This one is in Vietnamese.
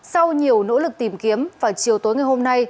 sau nhiều nỗ lực tìm kiếm vào chiều tối ngày hôm nay